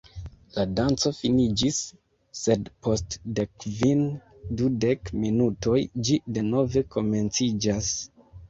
La danco finiĝis, sed post dekkvin-dudek minutoj ĝi denove komenciĝas.